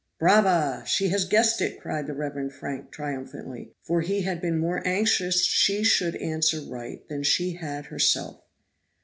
"Brava! she has guessed it," cried the Reverend Frank triumphantly; for he had been more anxious she should answer right than she had herself.